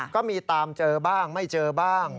ก็มีตามเจอบ้างไม่เจอบ้าง